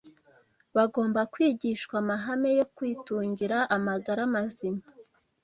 bagomba kwigishwa amahame yo kwitungira amagara mazima